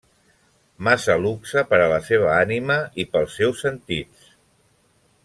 Massa luxe per a la seva ànima i pels seus sentits.